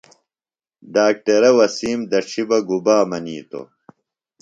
ڈاکٹرہ وسیم دڇھی بہ گُبا منِیتوۡ؟